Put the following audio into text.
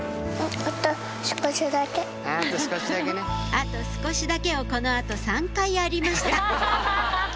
「あとすこしだけ」をこの後３回やりました